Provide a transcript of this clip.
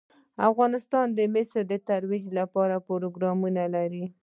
افغانستان د مس د ترویج لپاره پروګرامونه لري.